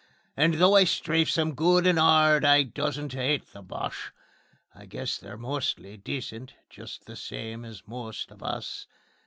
And though I strafes 'em good and 'ard I doesn't 'ate the Boche, I guess they're mostly decent, just the same as most of us.